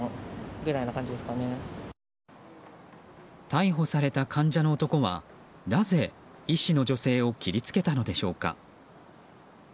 逮捕された患者の男はなぜ医師の女性を切り付けたのでしょうか。